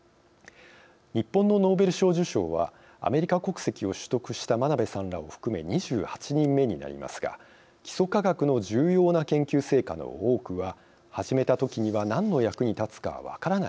日本のノーベル賞受賞はアメリカ国籍を取得した真鍋さんらを含め２８人目になりますが基礎科学の重要な研究成果の多くは始めたときには何の役に立つかは分からない